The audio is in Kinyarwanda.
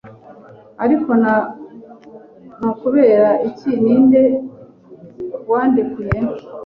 Ariko na Kubera iki Ninde wandekuye